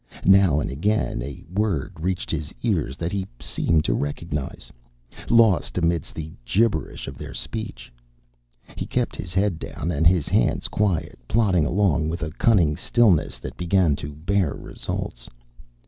Now and again a word reached his ears that he seemed to recognize, lost amidst the gibberish of their speech. He kept his head down and his hands quiet, plodding along with a cunning stillness that began to bear results.